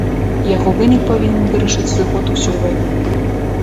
Яго вынік павінен вырашыць зыход усёй вайны.